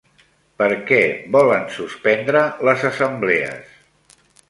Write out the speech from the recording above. Per què volen suspendre les Assemblees?